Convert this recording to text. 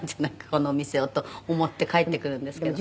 このお店をと思って帰ってくるんですけど」